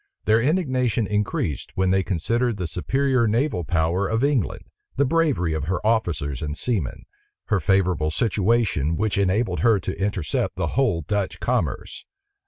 Their indignation increased, when they considered the superior naval power of England; the bravery of her officers and seamen; her favorable situation, which enabled her to intercept the whole Dutch commerce.